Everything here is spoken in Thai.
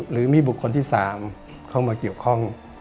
หรือมีบุคคลที่๓เข้ามาเกี่ยวข้อง